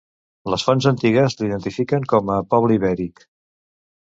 Les fonts antigues l'identifiquen com a poble ibèric.